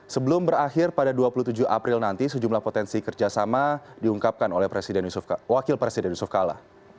sebelum berakhir pada dua puluh tujuh april nanti sejumlah potensi kerjasama diungkapkan oleh wakil presiden yusuf kala